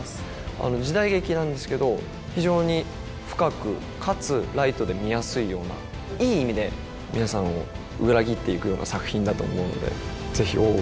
あの時代劇なんですけど非常に深くかつライトで見やすいようないい意味で皆さんを裏切っていくような作品だと思うのでぜひ「大奥」